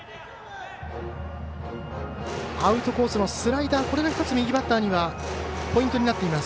アウトコースのスライダーこれが１つ右バッターにはポイントになっています。